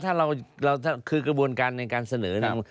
ถ้าเราคือกระบวนการในการเสนอเนี่ย